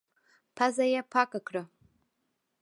پزه يې پاکه کړه.